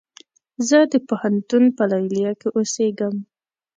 زه د پوهنتون په ليليه کې اوسيږم